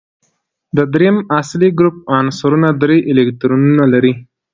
د دریم اصلي ګروپ عنصرونه درې الکترونونه لري.